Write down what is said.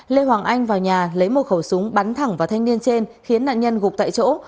lê hoàng anh vào nhà lấy một khẩu súng bắn thẳng vào thanh niên trên khiến nạn nhân gục tại chỗ